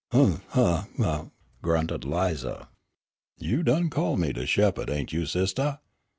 "Oomph, uh, uh, uh!" grunted Lize. "You done called me de shepherd, ain't you, sistah?